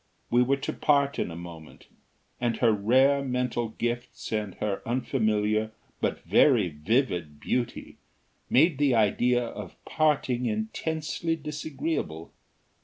We were to part in a moment, and her rare mental gifts and her unfamiliar, but very vivid, beauty made the idea of parting intensely disagreeable.